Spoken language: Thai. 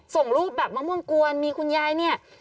ส่งรูปแบบมะม่วงกวนมีคุณยายเนี่ย